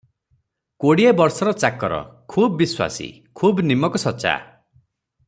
କୋଡ଼ିଏ ବର୍ଷର ଚାକର, ଖୁବ୍ ବିଶ୍ୱାସୀ, ଖୁବ୍ ନିମକସଚ୍ଚା ।